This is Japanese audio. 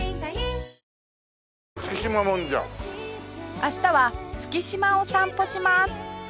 明日は月島を散歩します